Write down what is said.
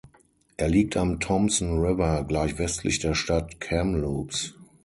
Er liegt am Thompson River gleich westlich der Stadt Kamloops.